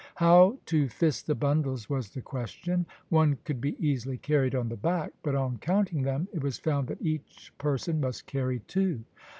How to fist the bundles was the question. One could be easily carried on the back; but on counting them it was found that each person must carry two.